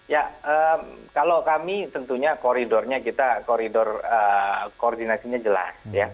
ya kalau kami tentunya koridornya kita koridor koordinasinya jelas